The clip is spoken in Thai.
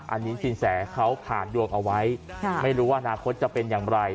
อันนี้สินแสเขาผ่านดวงเอาไว้ไม่รู้ว่าอนาคตจะเป็นอย่างไร